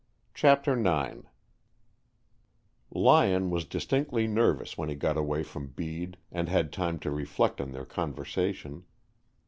CHAPTER IX Lyon was distinctly nervous when he got away from Bede and had time to reflect on their conversation.